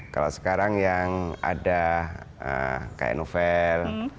kalau sekarang yang ada kayak novel